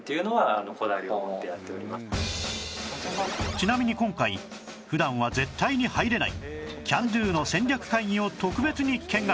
ちなみに今回普段は絶対に入れないキャンドゥの戦略会議を特別に見学